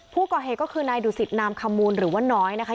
ผู้ก่อเหตุก็คือนายดุสิตนามคำมูลหรือว่าน้อยนะคะ